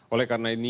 oleh karena ini